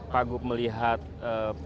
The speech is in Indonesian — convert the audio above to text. pak gug melihat eh